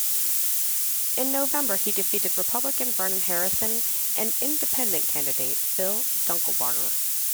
In November, he defeated Republican Vernon Harrison and Independent Candidate Phil Dunkelbarger.